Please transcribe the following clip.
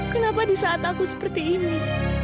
kenapa di saat aku seperti ini